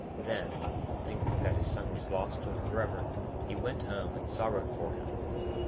Then, thinking that his son was lost to him for ever, he went home and sorrowed for him.